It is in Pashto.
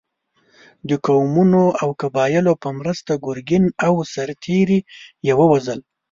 د قومونو او قبایلو په مرسته ګرګین او سرتېري یې ووژل.